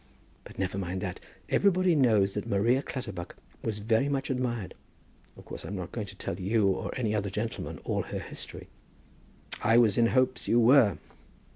"But never mind that. Everybody knows that Maria Clutterbuck was very much admired. Of course I'm not going to tell you or any other gentleman all her history." "I was in hopes you were."